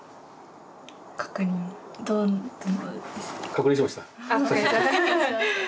確認しました。